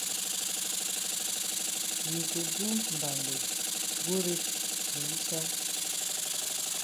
You go do mbambe go reach for wusaid?